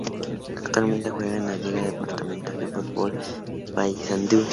Actualmente juega en la Liga Departamental de Fútbol de Paysandú.